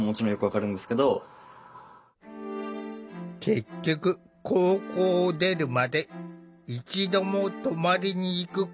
結局高校を出るまで一度も泊まりに行くことはできなかった。